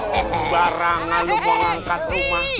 barang barang lu gua angkat rumah